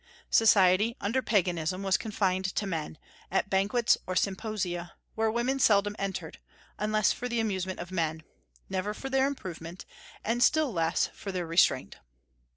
Society, under Paganism, was confined to men, at banquets or symposia, where women seldom entered, unless for the amusement of men, never for their improvement, and still less for their restraint.